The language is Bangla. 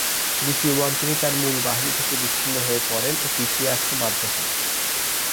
দ্বিতীয়বার তিনি তার মূল বাহিনী থেকে বিচ্ছিন্ন হয়ে পড়েন ও পিছিয়ে আসতে বাধ্য হন।